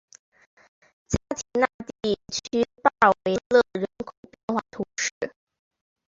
加提奈地区巴尔维勒人口变化图示